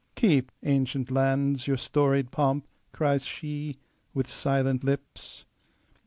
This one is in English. "Keep, ancient lands, your storied pomp!" cries sheWith silent lips.